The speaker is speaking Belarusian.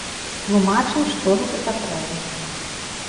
Тлумачым, што гэта такое.